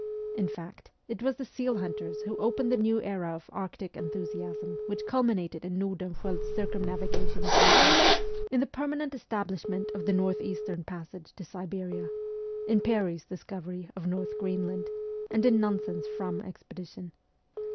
In fact, it was the seal hunters who opened the new era of Arctic enthusiasm which culminated in Nordenskjold's circumnavigation of Asia, in the permanent establishment of the north eastern passage to Siberia, in Peary's discovery of North Greenland, and in Nansen's ' Fram ' expedition.